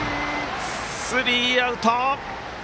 スリーアウト。